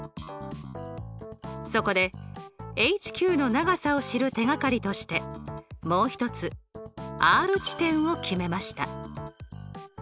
そこでＨＱの長さを知る手がかりとしてもうひとつＲ地点を決めました。